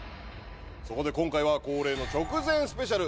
そこで今回は恒例の直前スペシャル。